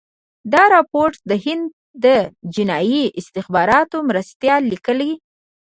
دا رپوټ د هند د جنايي استخباراتو مرستیال لیکلی.